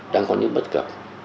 đang có những bất cập